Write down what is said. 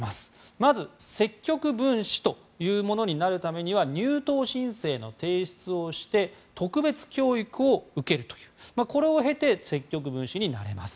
まず、積極分子というものになるためには入党申請の提出をして特別教育を受けるというこれを経て積極分子になれます。